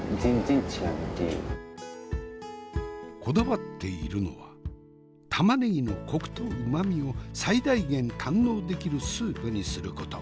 こだわっているのは玉ねぎのコクとうまみを最大限堪能できるスープにすること。